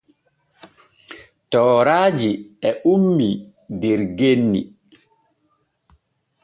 Tooraaji e ummii der genni.